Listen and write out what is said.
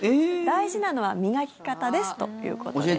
大事なのは磨き方ですということです。